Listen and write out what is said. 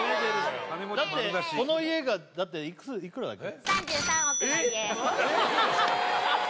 よだってこの家がいくらだっけ？